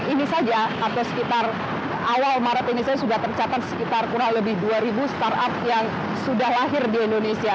ini saja sampai sekitar awal maret ini saja sudah tercatat sekitar kurang lebih dua startup yang sudah lahir di indonesia